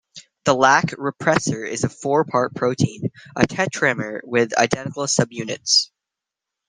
The lac repressor is a four-part protein, a tetramer, with identical subunits.